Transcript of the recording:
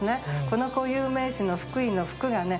この固有名詞の「福井」の「福」がね